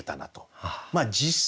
まあ実際ね